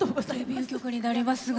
デビュー曲になりますが。